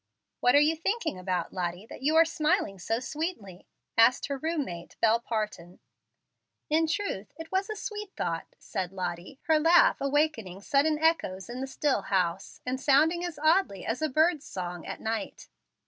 "What are you thinking about, Lottie, that you are smiling so sweetly?" asked her room mate, Bel Parton. "In truth, it was a sweet thought," said Lottie, her laugh awakening sudden echoes in the still house, and sounding as oddly as a bird's song at night.